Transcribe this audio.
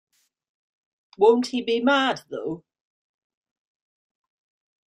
Won't he be mad, though?